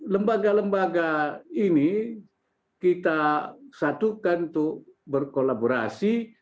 lembaga lembaga ini kita satukan untuk berkolaborasi